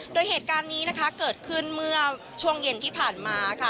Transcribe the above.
โดยเหตุการณ์นี้นะคะเกิดขึ้นเมื่อช่วงเย็นที่ผ่านมาค่ะ